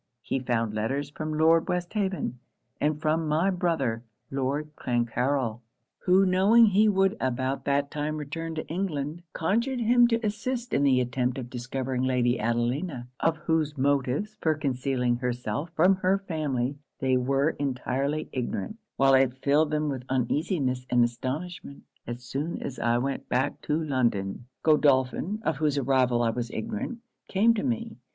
He found letters from Lord Westhaven, and from my brother, Lord Clancarryl; who knowing he would about that time return to England, conjured him to assist in the attempt of discovering Lady Adelina; of whose motives for concealing herself from her family they were entirely ignorant, while it filled them with uneasiness and astonishment. As soon as I went back to London, Godolphin, of whose arrival I was ignorant, came to me.